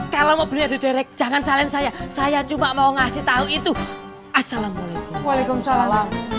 kalau mau beli di derek jangan salahin saya saya cuma mau ngasih tahu itu assalamualaikum waalaikumsalam